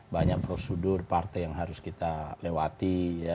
banyak prosedur partai yang harus kita lewati